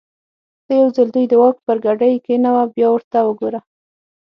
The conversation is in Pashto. ته یو ځل دوی د واک پر ګدۍ کېنوه بیا ورته وګوره.